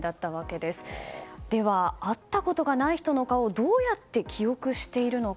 では、会ったことがない人の顔をどうやって記憶しているのか。